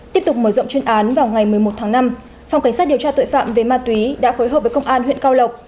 tiếp tục mở rộng chuyên án vào ngày một mươi một tháng năm phòng cảnh sát điều tra tội phạm về ma túy đã phối hợp với công an huyện cao lộc